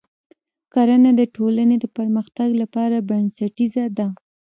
کرنه د ټولنې د پرمختګ لپاره بنسټیزه ده.